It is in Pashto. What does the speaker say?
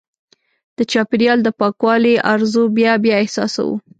د چاپېریال د پاکوالي ارزو بیا بیا احساسوو.